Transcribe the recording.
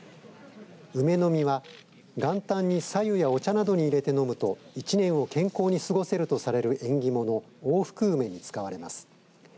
梅の実は元旦にさ湯やお茶などに入れて飲むと１年を健康に過ごせるとされる縁起物、大福梅に使われます。